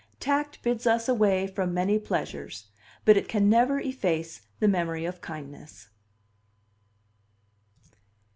Tact bids us away from many pleasures; but it can never efface the memory of kindness.